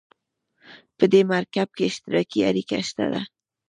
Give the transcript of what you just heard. په دې مرکب کې اشتراکي اړیکه شته ده.